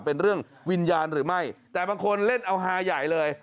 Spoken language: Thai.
เป็นเรื่องวิญญาณหรือไม่แต่บางคนเล่นเอาฮาใหญ่เลย